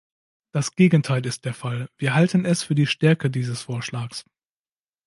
Das Gegenteil ist der Fall, wir halten es für die Stärke dieses Vorschlags.